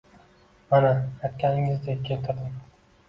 Mana, aytganingizni keltirdim